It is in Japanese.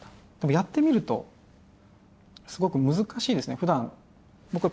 やってみるとすごく難しいですね。